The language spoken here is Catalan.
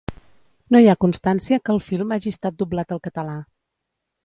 No hi ha constància que el film hagi estat doblat al català.